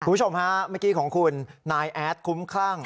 คุณผู้ชมฮะเมื่อกี้ของคุณนายแอดคุ้มคลั่ง